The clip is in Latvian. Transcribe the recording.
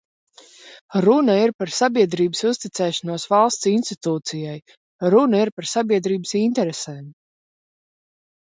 Runa ir par sabiedrības uzticēšanos valsts institūcijai, runa ir par sabiedrības interesēm!